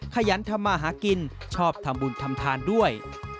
ขยันทำมาหากินชอบทำบุญทำทานด้วย